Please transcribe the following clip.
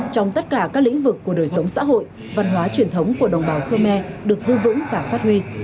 trong tất cả các lĩnh vực của đời sống xã hội văn hóa truyền thống của đồng bào khơ me được dư vững và phát huy